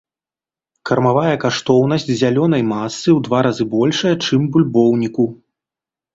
Кармавая каштоўнасць зялёнай масы ў два разы большая, чым бульбоўніку.